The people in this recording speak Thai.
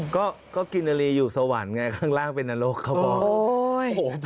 ก็กินนาลีอยู่สวรรค์ไงข้างล่างเป็นนรกเขาบอกโอ้ย